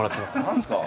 何ですか？